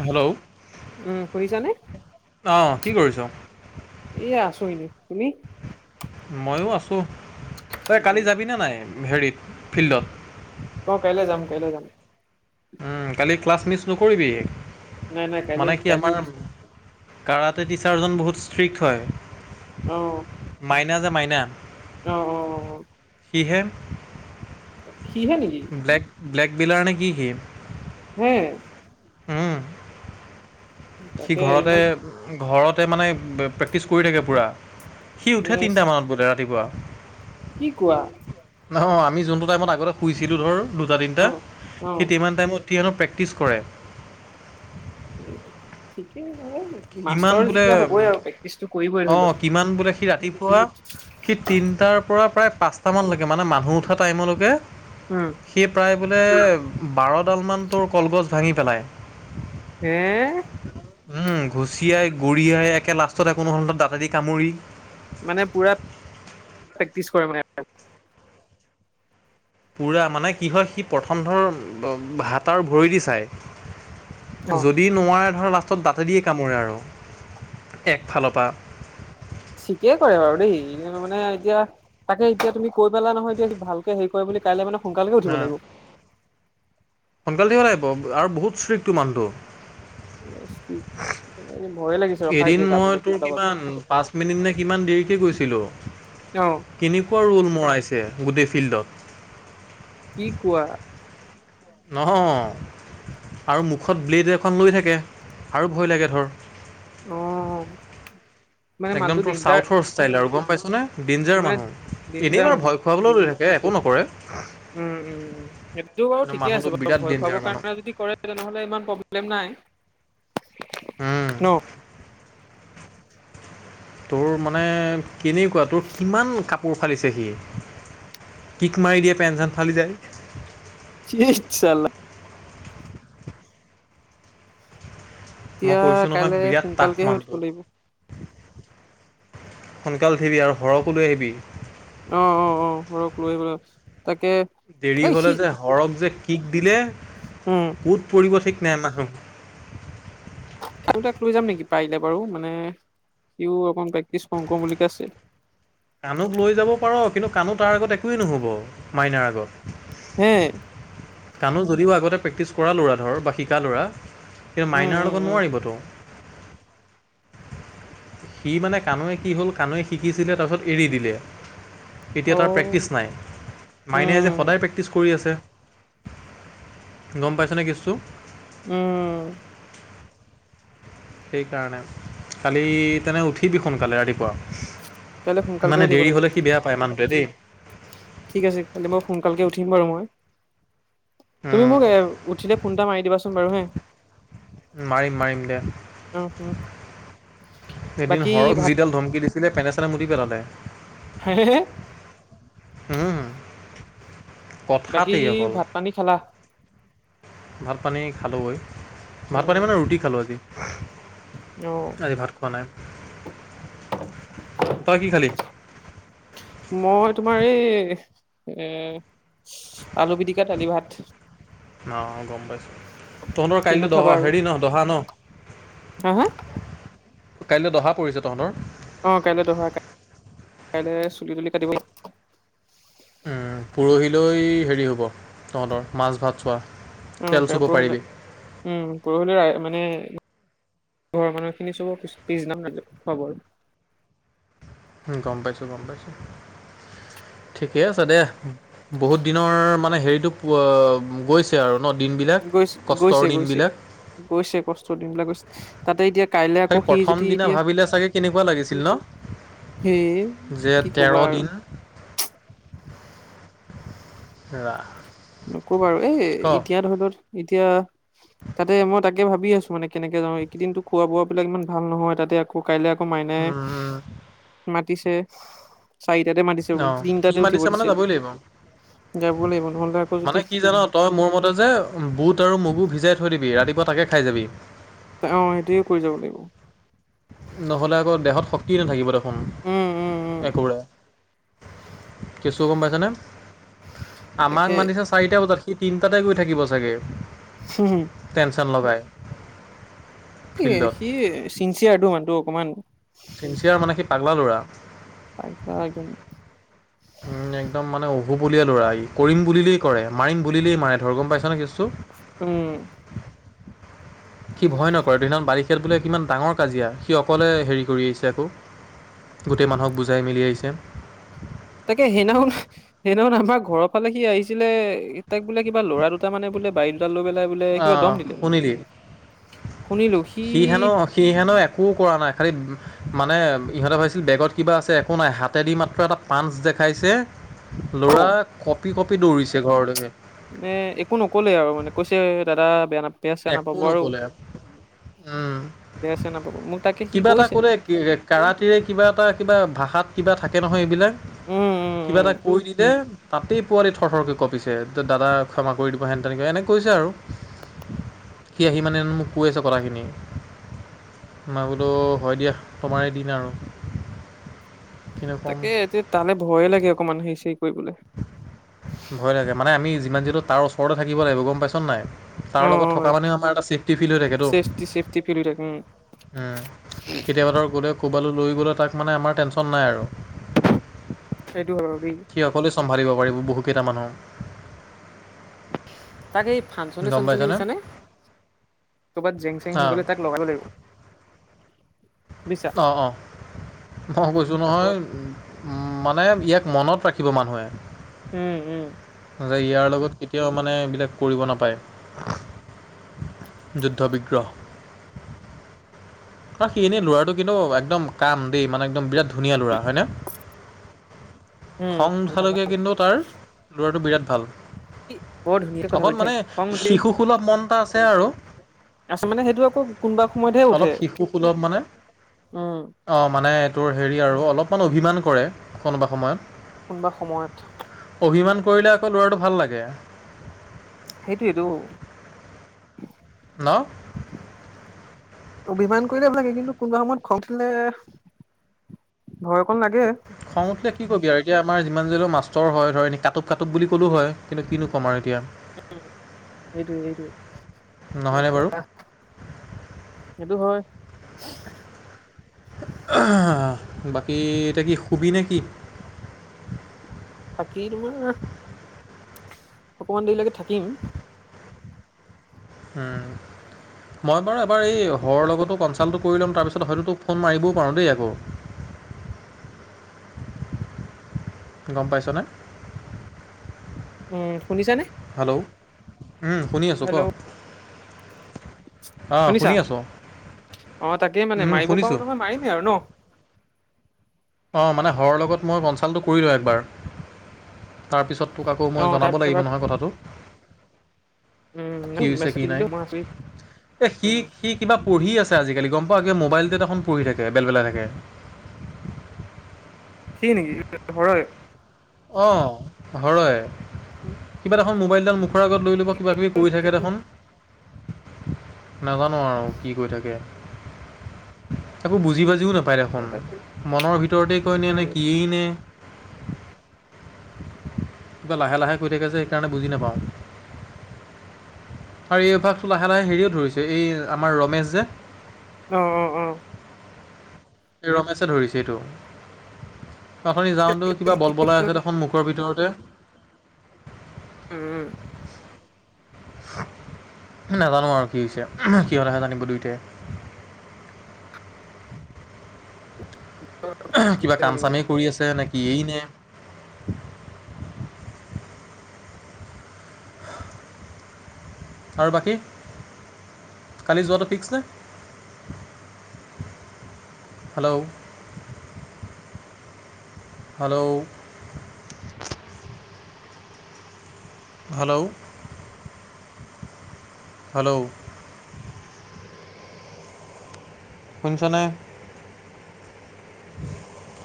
Hello, উম শুনিছানে অ' কি কৰিছ? এইয়া আছোঁ এনেই, তুমি? ময়ো আছোঁ। এই কালি উম, যাবি নে নাই হেৰিত, ফিল্ডত? অ', কাইলৈ যাম, কাইলৈ যাম। উম্, কালি ক্লাছ মিচ নকৰিবি। নাই নাই কাইলৈ মানে কি কাইলৈ আমাৰ- মিছ কাৰাটে টিচাৰজন বহুত ষ্ট্ৰিক্ট হয়। অ'। মাইনা যে মাইনা! অ', অ', অ'। সিহে। সিহে নেকি? ব্লেক, ব্লেক বিলাৰ নে কি, সি? হে, উম, সি তাকে ঘৰতে ইমান ঘৰতে, মানে, প্ৰেক্টিছ কৰি থাকে পূৰা। সি এ, উঠে তিনিটামানত বোলে ৰাতিপুৱা। কি কোৱা? অ', আমি যোনটো টাইমত আগতে শুইছিলোঁ, ধৰ অ দুটা-তিনিটা, অ সেই সিমান টাইমত সিহেনো প্ৰেক্টিচ কৰে। উম, ঠিকে হয়। কিমান বোলে, ধৰি লও অ', কিমান বোলে সি ৰাতিপুৱা সি তিনটাৰ পৰা প্ৰায় পাঁচট মানলৈকে মানে মানুহ উঠা টাইমলৈকে উম্। সি প্ৰায় বোলে বাৰডালমান তোৰ কলগছ ভাঙি পেলায়। এএএ, উম ঘুচিয়াই, গোৰিয়াই একে লাষ্টতে একো নহ'লেত দাঁতেদি দি কামুৰি। মানে পুৰা প্ৰেক্টিছ কৰে মানে। পুৰা মানে কি হয়, সি প্ৰথম ধৰ হাত আৰু ভৰি দি চায়। অ যদি নোৱাৰে ধৰ লাষ্টত দাঁতে দিয়ে কামোৰে আৰু একফালৰ পৰা। ঠিকেই কৰে বাৰু দেই [unintelligible] মানে এতিয়া তাকে এতিয়া তুমি কিই পালা নহয় এতিয়া সি ভালকে হেৰি কৰে বুলি, কাইলৈ মানে সোনকালে উঠিব অ', লাগিব। সোনকালে উঠিব লাগিব আৰু বহুত ষ্ট্ৰিক্টটো মানুহটো। [unintelligible] ভয়ে লাগিছে ৰখা এদিন এতিয়া মই যাবলৈ তোৰ [unintelligible] কিমান পাঁচ মিনিট নে কিমান দেৰিকৈ গৈছিলোঁ। [unintelligible] কেনেকুৱা ৰোল মৰাইছে গোটেই ফিল্ডত। কি কোৱা। অহহ আৰু মুখত ব্লেড এখন লৈ থাকে আৰু ভয় লাগে ধৰ। অ' মানে একদম মালটো তোৰ ডেঞ্জাৰ চাউথৰ ষ্টাইল আৰু গম পাইছ নে, ডিঞ্জাৰ মানে মানুহ এনেই ডেঞ্জাৰ বাৰো মানুহ ভয় খোৱাবলৈও লৈ থাকে একো নকৰে। উম উম উম সেইটো বাৰু কিন্তু ঠিকে মানুহটো আছে বাৰু বিৰাট ভয় ডেঞ্জাৰ খুৱাব মানুহ কাৰণে যদি কৰে। তেনেহ'লে ইমান প্ৰব্লেম নাই। উম্। ন তোৰ মানে কেনেকুৱা তোৰ কিমান কাপোৰ ফালিছে সি। কিক মাৰি দিয়ে পেন চেন ফালি যায়। ধেইৎ চালা। মই এতিয়া কৈছো নহয় কাইলে বিৰাট তাক সোনকালকেহে উঠিব মানটো। লাগিব সোনকাল উঠিবি আৰু হৰকো লৈ আহিবি। অ' অ' অ' হৰক লৈ আহিব [unintelligible] তাকে দেৰি এই হ'লে সি যে হৰক যে কিক দিলে উম্ ক'ত পৰিব ঠিক নাই মানুহ। [unintelligible] লৈ যাম নেকি পাৰিলে বাৰু মানে সিও অকণ প্ৰেক্টিচ কৰো কৰো বুলিকৈ আছে। কাণুক লৈ যাব পাৰ কিন্তু কাণু তাৰ আগত একোৱেই নহ'ব মাইনাৰ আগত। হে। কানু যদিও আগতে প্ৰেক্টিছ কৰা ল'ৰা ধৰ বা শিকা ল'ৰা কিন্তু উম মাইনাৰ উম লগত উম নোৱাৰিবতো। [unintelligible] সি মানে কানৈ কি হ'ল কানৈ শিকিছিলে তাৰপিছত এৰি দিলে। এতিয়া অ তাৰ প্ৰেক্টিচ নাই, মাইনে যে সদায় উম প্ৰেক্টিছ কৰি আছে। গম পাইছেনে কেছটো? উম। সেইকাৰণে খালি তেনে উঠিবি সোনকালে ৰাতিপুৱা। কাইলৈ সোনকালকে মানে উঠিব দেৰি লাগিব। হলে সি বেয়া পায় মানুহটোৱে দেই। ঠিক আছে খালি মই সোনকালকে উঠিবাৰু মই। তুমি মোক এ উঠিলে ফোন এটা মাৰি দিবাচোন বাৰু হে। মাৰিম মাৰিম দে। উম উম এদিন বাকী হৰক ভাত যিডাল ধমকি দিছিলে পেনে চেনে মুতি পেলালে। হেহে য়ে বাকী কথাতেই অকল ভাত পানী খালা? ভাত পানী খালোঁগৈ, ভাত পানী উম মানে ৰুটি খালোঁ আজি। অ। আজি ভাত খোৱা নাই, তই কি খালি? মই তোমাৰ এই এ আলু পিটিকা দালি ভাত। অ গম পাইছো, তহঁতৰ কিনো কাইলৈ খাবা দহ আৰু হেৰি ন দহা ন। হা হা? কাইলৈ দহা পৰিছে তহতৰ? অ কাইলৈ দহা, কাইলৈ চুলি তুলি কাটিব লাগিব। উম পৰহিলৈ হেৰি হ'ব তহঁতৰ মাছ ভাত চোৱা। অ তেল কাই চুব পাৰিবি পৰহিলৈ, উম পৰহিলৈ এ মানে ঘৰৰ মানুহখিনি চব পিছ পিছদিনা হ'ব আৰু উম গম পাইছো গম পাইছো। ঠিকে আছে দে বহুত দিনৰ মানে হেৰিটো পোৱা গৈ ছে আৰু ন দিনবিলাক, গৈছে গৈছে কষ্টৰ গৈছে দিনবিলাক। গৈছে কষ্ট দিন বিলাক গৈছে। তাতে এতিয়া কাইলে সেই আকৌ সি প্ৰথম যদি দিনা এতিয়া ভাবিলে চাগে কেনেকুৱা লাগিছিল ন হেই যে কি তেৰ কবা আৰু দিন ৰা নকবা আৰু এই ক এতিয়া ধৰি ল এতিয়া তাতে মই তাকে ভাবি আছো মানে কেনেকে যাওঁ এইকেইদিনটো খোৱা বোৱাবিলাক ইমান ভাল নহয় তাতে আকৌ কাইলৈ আকৌ মাইনাই মাতিছে। চাৰিটাতে মাতিছে, অ সি তিনটাতে উঠিব মাতিছে মানে দিছে যাবই লাগিব যাব লাগিব নহ'লে তাত। মানে কি জান তই মোৰ মতে যে বুট আৰু মগু ভিজাই থৈ দিবি ৰাতিপুৱা তাকে খাই যাবি। অ সেইটোৱে কৰি যাব লাগিব। নহ'লে আকৌ দেহত শক্তি নাথাকিব দেখোন উম উম উম একেবাৰে। কেছটো গম পাইছ নে? তাকে আমাক মাতিছে চাৰিটা বজাত সি তিনটাতে গৈ থাকিব চাগে। হু হু টেনচন লগাই। কি ফিল্ডত সি চিনচিয়াৰটো মানুহটো অকমান। চিনচিয়াৰ মানে সি পাগলা ল'ৰা। পাগলা একদম। উম একদম মানে অহুবলীয়া ল'ৰা ই কৰিম বুলিলেই কৰে মাৰিম বুলিলেই মাৰে ধৰ গম পাইছা নে কেছটো উম [inaudible] সি ভয় নকৰে সেইদিনা বাৰিষাত বোলে কিমান ডাঙৰ কাজিয়া সি অকলে হেৰি কৰি আহিছে আকৌ গোটেই মানুহক বুজাই মেলি আহিছে তাকে সেইদিনাখন সেইদিনাখন আমাৰ ঘৰৰ ফালে সি আহিছিলে তাক বোলে কিবা ল'ৰা দুটা মানে বোলে বাৰী দুডাল লৈ পেলাই বোলে কিবা দম আহ দিলে শুনিলি শুনিলো সি সি হেনো একো কৰা নাই খালী মানে ইহঁতে ভাবিছিল বেগত কিবা আছে একো নাই হাতেদি মাত্ৰ এটা পাঞ্চ দেখাইছে অ, ল'ৰা কঁপি কঁপি দৌৰিছে ঘৰলৈকে নে একো নকলে আৰু মানে কৈছে দাদা বেয়া না বেয়া চেয়া একো নাপাব আৰু নক'লে উম বেয়া চেয়া নাপাব মোক তাকে সি কৈছে কৰাটেৰে কিবা এটা কিবা ভাষাত কিবা থাকে নহয় এইবিলাক উম উম কিবা উম এটা কৈ দিলে তাতেই পোৱালি থৰথৰকৈ কঁপিছে যে দাদা ক্ষমা কৰি দিব হেন তেন এনেকে কৈছে আৰু সি আহি মানে মোক কৈ আছে কথাখিনি মই বোলো হয় দিয়া তোমাৰে দিন আৰু কিনো ক'ম তাকে এতিয়া তালে ভয়ে লাগে অকণমান হেৰু চেৰি কৰিবলৈ ভয় লাগে মানে আমি যিমান যিটো তাৰ ওচৰতে থাকিব লাগিব গম পাইছ নে নাই অ তাৰ লগত থকা মানেও আমাৰ এটা সেফটি ফিল হৈ থাকে তো। চেফটি চেফটি ফিল হৈ থাকে উম উম, কেতিয়াবা ধৰ গ'লে ক'বালৈ লৈ গ'লে, তাক মানে আমাৰ টেনচন নাই আৰু। সেইটো হৈ, দেই। কোনে চম্ভালিব পাৰিব, বহুকেইটা মানুহ। তাকেই এই ফাংচনে, গম চচনে পাইছনে বুছ নে, কৰবাত জেং, চেং হৈ অঁ গ'লে তাক লগাব, লাগিব। বুইছা অ', অ', মই কৈছোঁ নহয়। তাকত মানে ইয়াক মনত ৰাখিব মানুহে। উম, উম। যে ইয়াৰ লগত কেতিয়াও মানে এইবিলাক কৰিব নাপায়। যুদ্ধ, বিগ্ৰহ আৰু এনেই ল'ৰাটো কিন্তু একদম কাম দেই একদম বিৰাট ধুনীয়া লৰা হয়নে উম খং ভাল ভাল ভাল কঠালৈকে কিন্তু তাৰ ল'ৰাটো বিৰাট ভাল। বৰ ধুনীয়াকে কথা পাতি অকন থাকে মানে খং উঠেই শিশুসুলভ মন এটা আছে আৰু। আচলতে মানে, সেইটো আকৌ কোনোবা সময়তহে অলপ উঠে, উম। অ, মানে তোৰ হেৰি আৰু অলপমান অভিমান কৰে কোনোবা সময়ত। কোনোবা সময়ত। অভিমান কৰিলে আকৌ ল'ৰাটো ভাল লাগে। সেইটোয়েইটো। ন অভিমান কৰিলে ভ, লাগে। কিন্তু কোনোবা সময়ত খং দিলে ভয় অকন লাগে। খং উঠিলে নি কি ক'বি আৰু এতিয়া আমাৰ যিমান যদিও মাষ্টৰ হয়, ধ, এ, কাটুব, কাটুব বুলি ক'লেও হয়। কিন্তু কিনো ক'ম আৰু এতিয়া। উম, সেইটোৱে, সেইটোৱে কি নহয়নে বাৰু কোৱা? সেইটো, হয়। বাকী, এতিয়া কি, সুবিনে কি? বাকী, তোমাৰ অকমান দেৰিলৈকে থাকিম। উম, মই বাৰু এবাৰ এই হৰৰ লগতো কনচাল্টটো কৰি ল'ম তাৰপিছত হয়তো ফোন মাৰিব পাৰো দেই আকৌ। গম পাইছনে? উম, শুনিছানে? হেল্ল'? উম শুনি আছোঁ ক? হেল্ল' অ, শুনিছা শুনি আছো। অ তাকে মানে মাৰিব পাৰো নহয়, মাৰিমেই আৰু ন। অ মানে হৰৰ লগত মই কনচাল্টটো কৰিলোঁ একবাৰ। তাৰপিছত তোক আকৌ মই অ তাক জনাব লাগিব এবাৰ নহয় কথাটো? কি উম হৈছে কি মেছেজ নাই? দিলো মই আছো এ সি উম সি কিবা পঢ়ি আছে আজিকালি গম পাওঁ কিয় মোবাইলটো এখন পঢ়ি থাকে বেল বেলাই থাকে। সি নেকি [unintelligible] হয়। অহ, ঘৰ হয়। উম। কিবা দেখোন মোবাইলডাল মুখৰ আগত লৈ ল'ব, কিবা - কিবি কৰি থাকে দেখোন। নাজানো আৰু কি কৰি থাকে? একো বুজি বাজিও নাপায় কিবা দেখোন, এটা মনৰ ভিতৰতে কয় নে নে কি নে? কিবা লাহে - লাহে কয় থাকে যে সেইকাৰণে বুজি নাপাওঁ। আৰু এই অভ্যাসটো লাহে - লাহে হেৰিও ধৰিছে, এই আমাৰ ৰমেশ যে। অ' হ। এই ৰমেছে ধৰিছে এইটো। অথনি যাওঁতে কিবা বল বলাই আছে দেখোন মুখৰ ভিতৰতে। উম। নাজানো আৰু কি হৈছে উহু সিহঁতেহে জানিব দুইটায়ে? এহ কিবা কাম জানিব চামেই কৰি আছে নে কি নে? আৰু বাকী? কালি যোৱাটো ফিক্স নে? হেল্ল'? হেল্ল'? হেল্ল'? হেল্ল'? শুনিছনে? [inaudible]